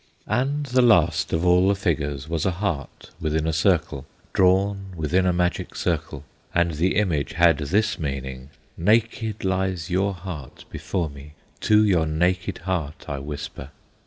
And the last of all the figures Was a heart within a circle, Drawn within a magic circle; And the image had this meaning: "Naked lies your heart before me, To your naked heart I whisper!"